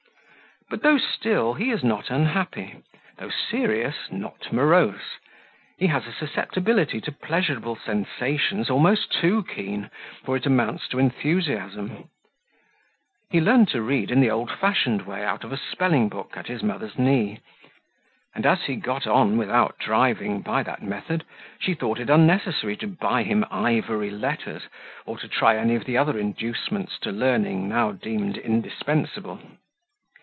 But though still, he is not unhappy though serious, not morose; he has a susceptibility to pleasurable sensations almost too keen, for it amounts to enthusiasm. He learned to read in the old fashioned way out of a spelling book at his mother's knee, and as he got on without driving by that method, she thought it unnecessary to buy him ivory letters, or to try any of the other inducements to learning now deemed indispensable.